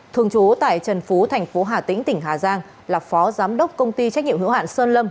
thường trú tại trần phú thành phố hà tĩnh tỉnh hà giang là phó giám đốc công ty trách nhiệm hữu hạn sơn lâm